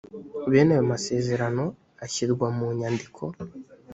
bene ayo masezerano ashyirwa munyandiko